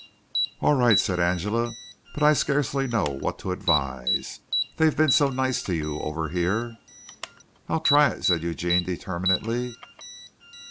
"All right," said Angela, "but I scarcely know what to advise. They've been so nice to you over here." "I'll try it," said Eugene determinedly.